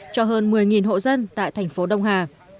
cho hơn một mươi hộ dân tại thành phố đông hà